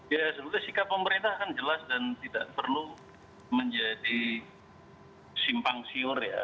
ya sebetulnya sikap pemerintah kan jelas dan tidak perlu menjadi simpang siur ya